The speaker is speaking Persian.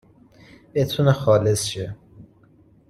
بتونه خالص شه